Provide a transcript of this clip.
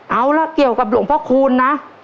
เอาล่ะเกี่ยวกับหลวงพ่อคูณนะ